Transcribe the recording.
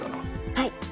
はい。